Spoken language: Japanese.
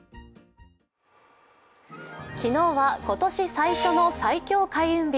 昨日は今年最初の最強開運日。